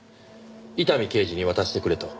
伊丹刑事に渡してくれと。